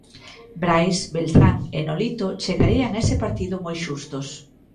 Brais, Beltrán e Nolito chegarían a ese partido moi xustos.